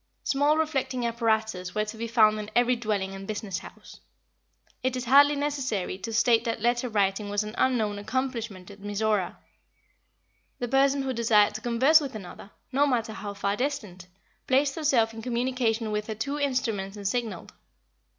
Small reflecting apparatus were to be found in every dwelling and business house. It is hardly necessary to state that letter writing was an unknown accomplishment in Mizora. The person who desired to converse with another, no matter how far distant, placed herself in communication with her two instruments and signaled.